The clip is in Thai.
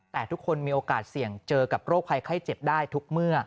แต่ทุกคนมีโอกาสเสี่ยงเจอกับโรคภัยไข้เจ็บได้ทุกเมื่อ